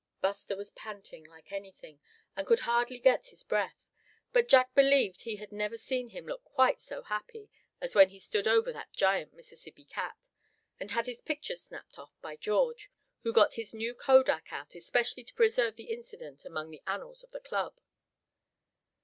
Buster was panting like anything, and could hardly get his breath; but Jack believed he had never seen him look quite so happy, as when he stood over that giant Mississippi cat, and had his picture snapped off by George, who got his new kodak out especially to preserve the incident among the annals of the club.